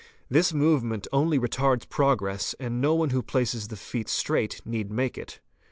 This movement only retards progress, and no one who places the feet straight need make it.